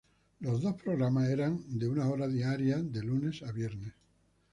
En los dos programas eran de una hora diaria de lunes a viernes.